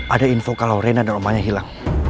ada info kalau rena dan omanya hilang